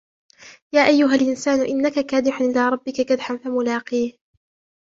يا أيها الإنسان إنك كادح إلى ربك كدحا فملاقيه